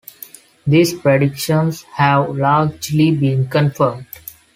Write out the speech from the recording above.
These predictions have largely been confirmed.